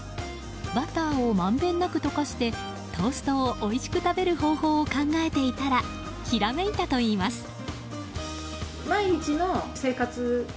バターをまんべんなく溶かしてトーストをおいしく食べる方法を考えていたらひらめいたといいます。